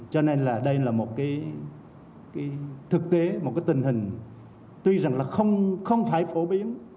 cho nên đây là một thực tế một tình hình tuy rằng không phải phổ biến